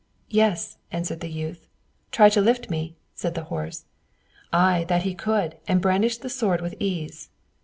"Yes," answered the youth. "Try to lift me," said the horse. Aye, that he could, and brandished the sword with ease.